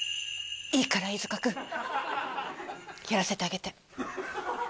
いいから飯塚君やらせてあげて。